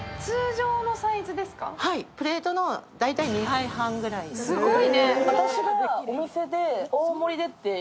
はい、プレートの、大体２杯半ぐらいのご飯。